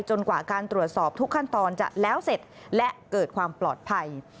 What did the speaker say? กว่าการตรวจสอบทุกขั้นตอนจะแล้วเสร็จและเกิดความปลอดภัย